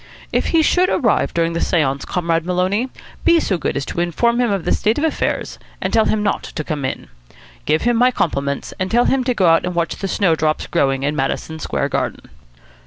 If he should arrive during the seance, Comrade Maloney, be so good as to inform him of the state of affairs, and tell him not to come in. Give him my compliments, and tell him to go out and watch the snowdrops growing in Madison Square Garden."